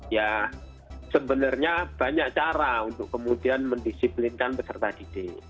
ya sebenarnya banyak cara untuk kemudian mendisiplinkan peserta didik